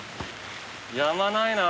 やまないな。